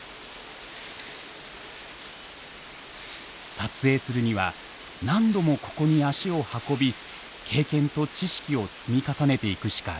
撮影するには何度もここに足を運び経験と知識を積み重ねていくしかありません。